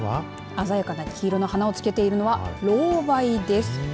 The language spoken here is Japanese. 鮮やかな黄色の花をつけているのはロウバイです。